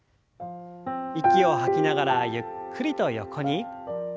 息を吐きながらゆっくりと横に。